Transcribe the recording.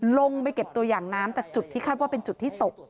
ลงไปเก็บตัวอย่างน้ำจากจุดที่คาดว่าเป็นจุดที่ตก